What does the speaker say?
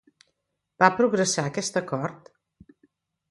Va progressar aquest acord?